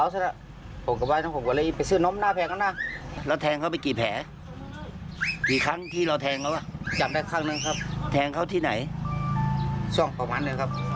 ช่องประมาณนี้ครับ